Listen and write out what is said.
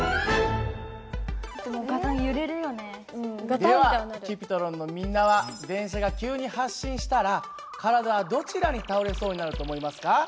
ではＣｕｐｉｔｒｏｎのみんなは電車が急に発進したら体はどちらに倒れそうになると思いますか？